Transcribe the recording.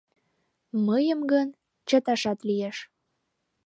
Мыйым гын, чыташат лиеш.